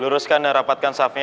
luruskan dan rapatkan sahabnya